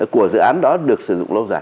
của dự án đó được sử dụng